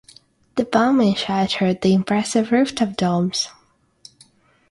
The bombing shattered the impressive rooftop domes.